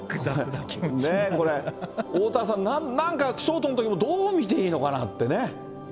これ、おおたわさん、なんか、ショートのときも、どう見ていいのかなってね。